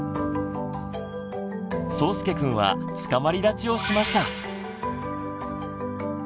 そうすけくんはつかまり立ちをしました。